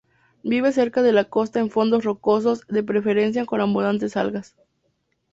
Vive cerca de la costa en fondos rocosos de preferencia con abundantes algas.